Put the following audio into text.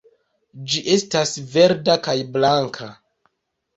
Ĝi estas verda kaj blanka.